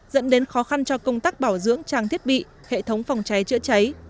dẫn đến khó khăn cho công tác bảo dưỡng trang thiết bị hệ thống phòng cháy chữa cháy